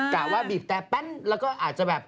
กะว่าบีบแต่แป๊บแล้วก็อาจจะแบบ